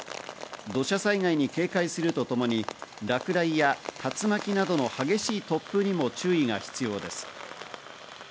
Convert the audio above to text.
土砂災害に警戒するとともに落雷や竜巻などの激しい突風にも注意が必要です。